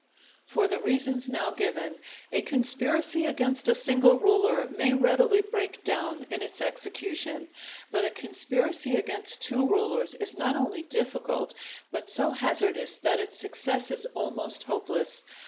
For the reasons now given, a conspiracy against a single ruler may readily break down in its execution; but a conspiracy against two rulers is not only difficult, but so hazardous that its success is almost hopeless.